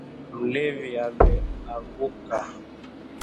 Mlevi ameanguka